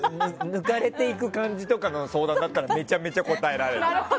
抜かれていく感じとかの相談はめちゃめちゃ答えられる。